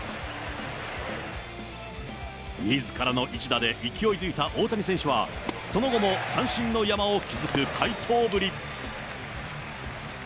みずからの一打で勢いづいた大谷選手は、その後も三振の山を築く快投ぶり。